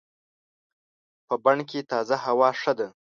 په بڼ کې تازه هوا ښه ده.